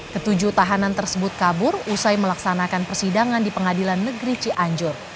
ketujuh tahanan tersebut kabur usai melaksanakan persidangan di pengadilan negeri cianjur